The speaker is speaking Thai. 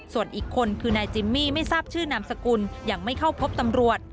ส่วนอีกคนคือนายจิมมี่ไม่ทราบชื่อนามสกุลยังไม่เข้าพบตำรวจ